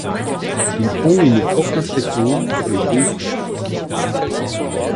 Ils font une forte impression sur les deux sœurs.